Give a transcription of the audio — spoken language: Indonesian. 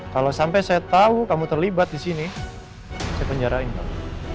kalau sampai saya tahu kamu terlibat di sini saya penjarain bang